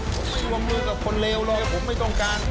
ผมไม่วงมือกับคนเลวเลยผมไม่ต้องการ